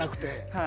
はい。